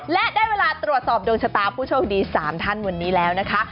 และได้เวลาตรวจสอบดวงชะตาผู้โชคดี๓ท่านวันนี้แล้วนะคะ